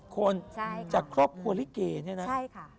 ๗คนจากครอบครัวลิเกย์ใช่ไหมใช่ค่ะ